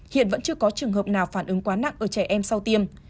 hiện vẫn chưa có trường hợp nào phản ứng quá nặng ở trẻ em sau tiêm